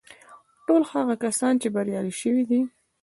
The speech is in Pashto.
ټول هغه کسان چې بريالي شوي دي.